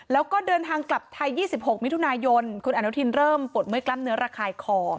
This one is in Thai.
แล้วก็เดินทางกลับไทย๒๖มิถุนายนคุณอนุทินเริ่มปวดเมื่อยกล้ามเนื้อระคายคอ